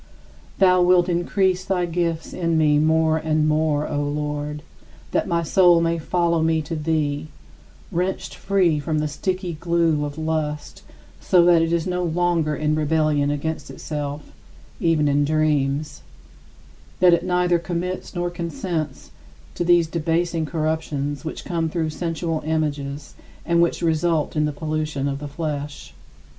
Thou wilt increase thy gifts in me more and more, O Lord, that my soul may follow me to thee, wrenched free from the sticky glue of lust so that it is no longer in rebellion against itself, even in dreams; that it neither commits nor consents to these debasing corruptions which come through sensual images and which result in the pollution of the flesh.